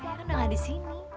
ayah kan udah nggak di sini